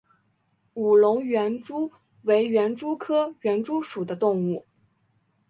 武隆园蛛为园蛛科园蛛属的动物。